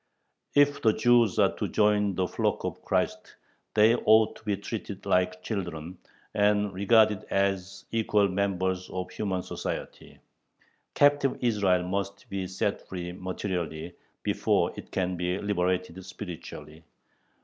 If the Jews are to join the flock of Christ, they ought to be treated like children, and regarded as equal members of human society. Captive Israel must be set free materially, before it can be liberated spiritually.